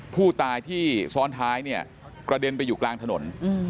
ผู้ตายที่ซ้อนท้ายเนี่ยกระเด็นไปอยู่กลางถนน